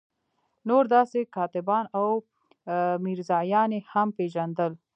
نور داسې کاتبان او میرزایان یې هم پېژندل.